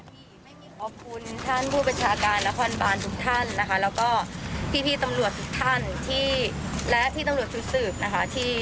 ขอบคุณท่านผู้ประชาการและควรบาลทุกท่าน